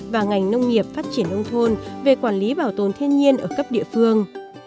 và ngành nông nghiệp phát triển nông thôn về quản lý bảo tồn thiên nhiên ở cấp địa phương